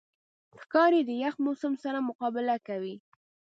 ښکاري د یخ موسم سره مقابله کوي.